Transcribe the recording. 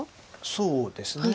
そうですねはい。